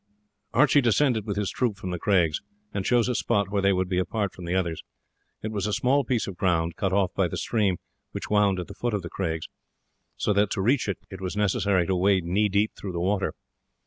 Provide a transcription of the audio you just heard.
Archie descended with his troop from the craigs, and chose a spot where they would be apart from the others. It was a small piece of ground cut off by the stream which wound at the foot of the craigs, so that to reach it it was necessary to wade knee deep through the water.